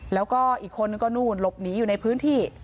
แล้วก็อีกคนนึงก็นู่นหลบหนีอยู่ในพื้นที่